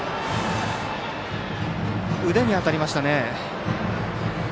腕に当たりましたね。